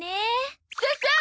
そうそう！